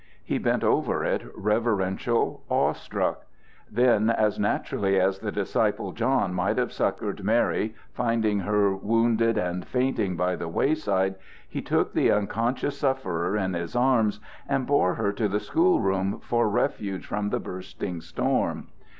He bent over it, reverential, awe stricken. Then, as naturally as the disciple John might have succored Mary, finding her wounded and fainting by the wayside, he took the unconscious sufferer in his arms and bore her to the school room for refuge from the bursting storm.